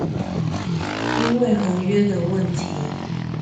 因為合約的問題